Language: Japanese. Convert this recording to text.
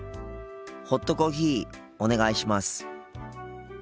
ホットコーヒーお願いします。